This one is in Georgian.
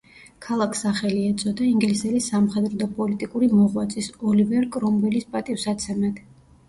ქალაქს სახელი ეწოდა, ინგლისელი სამხედრო და პოლიტიკური მოღვაწის, ოლივერ კრომველის პატივსაცემად.